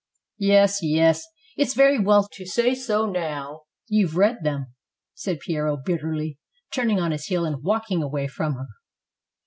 "Yes, yes, it's very well to say so now you've read them," said Piero bitterly, turning on his heel and walk ing away from her.